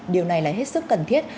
điều này là hết sức cần thiết